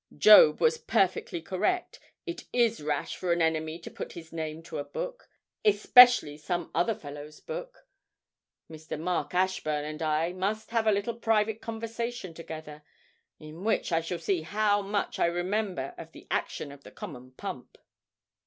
Job was perfectly correct. It is rash for an enemy to put his name to a book especially some other fellow's book. Mr. Mark Ashburn and I must have a little private conversation together, in which I shall see how much I remember of the action of the common pump.'